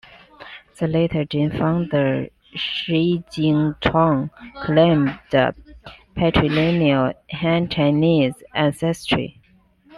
The Later Jin founder Shi Jingtang claimed patrilineal Han Chinese ancestry.